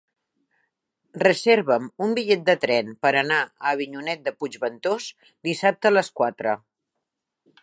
Reserva'm un bitllet de tren per anar a Avinyonet de Puigventós dissabte a les quatre.